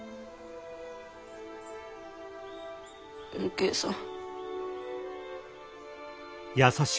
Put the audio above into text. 吽慶さん。